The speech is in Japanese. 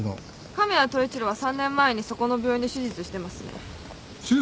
神谷統一郎は３年前にそこの病院で手術してますね。手術？